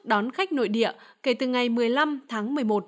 đón khách nội địa kể từ ngày một mươi năm tháng một mươi một